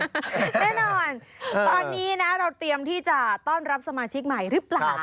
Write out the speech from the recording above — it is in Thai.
แน่นอนตอนนี้นะเราเตรียมที่จะต้อนรับสมาชิกใหม่หรือเปล่า